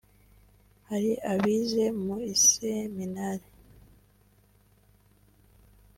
hari abize mu iseminari